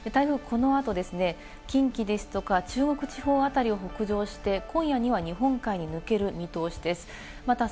台風、この後ですね、近畿ですとか中国地方辺りを北上して、今夜には日本海に抜ける見通しです。